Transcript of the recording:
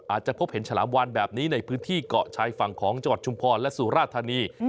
อาจจะพบเห็นฉลามวานแบบนี้ในพื้นที่เกาะชายฝั่งของจังหวัดชุมพรและสุราธานี